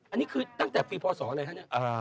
อันนี้คือตั้งแต่ปีพศอะไรฮะ